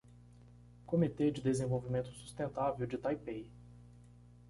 Comitê de Desenvolvimento Sustentável de Taipei